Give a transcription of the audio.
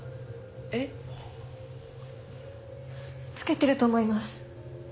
えっ？着けてると思います。